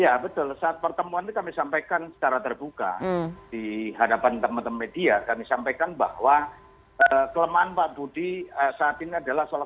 ya betul misalkan contoh